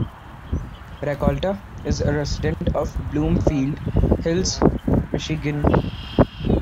Rakolta is a resident of Bloomfield Hills, Michigan.